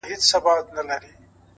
o د ميني اوبه وبهېږي،